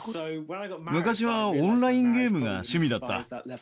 昔はオンラインゲームが趣味だった。